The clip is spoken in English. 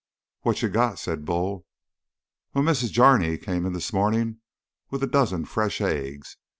"What you got?" said Bull. "Well, Mrs. Jarney come in this morning with a dozen fresh eggs.